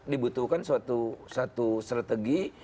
dibutuhkan suatu strategi